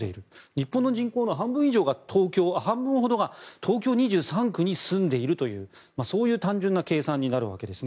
日本の人口の半分ほどが東京２３区に住んでいるというそういう単純な計算になるわけです。